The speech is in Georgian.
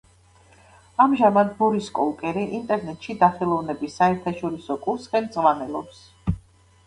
ამჟამად ბორის კოლკერი ინტერნეტში დახელოვნების საერთაშორისო კურსს ხელმძღვანელობს.